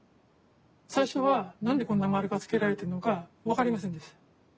最初は何でこんな丸がつけられてるのか分かりませんでした。